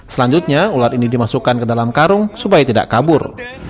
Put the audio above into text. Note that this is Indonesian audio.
selanjutnya ular ini dimasukkan ke dalam karung supaya tidak kabur